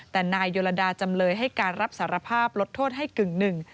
แต่นายโยลดาจำเลยให้การรับสารภาพลดโทษให้กึ่งหนึ่ง